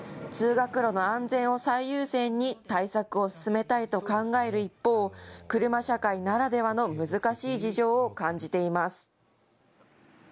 通学路の安全を最優先に対策を進めたいと考える一方、車社会ならではの難しい事情を感じています。